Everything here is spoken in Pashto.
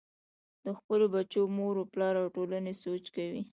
د خپلو بچو مور و پلار او ټولنې سوچ کوئ -